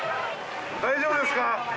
大丈夫ですか？